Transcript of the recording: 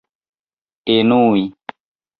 enui